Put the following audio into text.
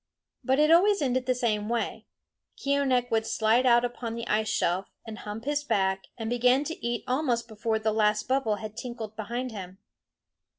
But it always ended the same way. Keeonekh would slide out upon the ice shelf, and hump his back, and begin to eat almost before the last bubble had tinkled behind him.